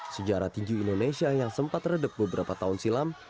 sejarah tinju indonesia yang sempat redek beberapa tahun silam